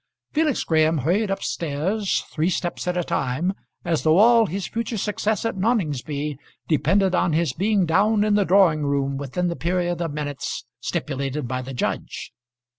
Felix Graham hurried up stairs, three steps at a time, as though all his future success at Noningsby depended on his being down in the drawing room within the period of minutes stipulated by the judge.